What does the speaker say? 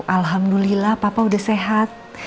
alhamdulillah papa udah sehat